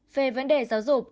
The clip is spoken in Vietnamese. về vấn đề giáo dục